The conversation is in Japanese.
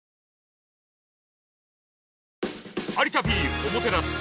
「有田Ｐおもてなす」。